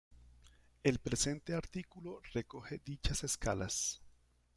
El presente artículo recoge dichas escalas.